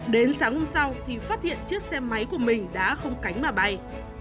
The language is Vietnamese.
đến sáng hôm sau thì phát hiện chiếc xe máy của mình đã không cánh mà bay